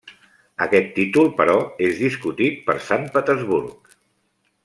Aquest títol però, és discutit per Sant Petersburg.